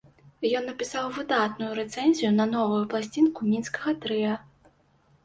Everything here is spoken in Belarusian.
Ён напісаў выдатную рэцэнзію на новую пласцінку мінскага трыа.